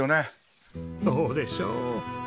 そうでしょう。